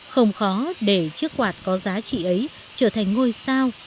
không khó để chiếc quạt có giá trị ấy trở thành ngôi sao